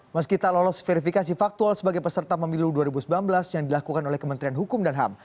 meski tak lolos verifikasi faktual sebagai peserta pemilu dua ribu sembilan belas yang dilakukan oleh kementerian hukum dan ham